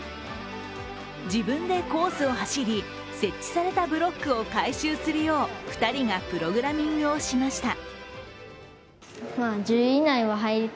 自分でコースを走り、設置されたブロックを回収するよう２人がプログラミングをしました。